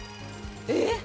えっ？